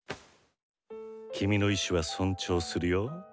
キミの意志は尊重するよ。